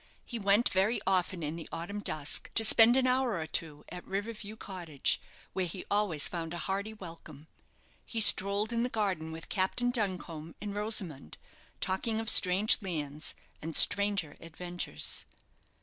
He went very often in the autumn dusk to spend an hour or two at River View Cottage, where he always found a hearty welcome. He strolled in the garden with Captain Duncombe and Rosamond, talking of strange lands and stranger adventures.